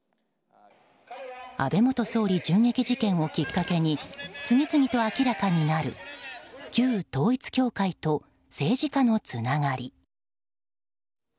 安倍元総理銃撃事件をきっかけに次々と明らかになる旧統一教会と政治家のつながり。